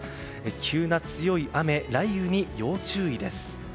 急な強い雨、雷雨に要注意です。